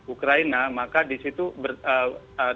ukraina maka disitu bertambah